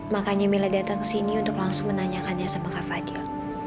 makanya mila datang kesini untuk langsung menanyakan ya sama kak fadil